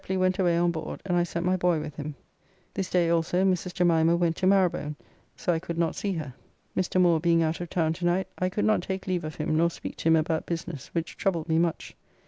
This day Mr. Sheply went away on board and I sent my boy with him. This day also Mrs. Jemimah went to Marrowbone, so I could not see her. Mr. Moore being out of town to night I could not take leave of him nor speak to him about business which troubled me much.